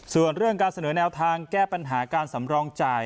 ส่วนเรื่องการเสนอแนวทางแก้ปัญหาการสำรองจ่าย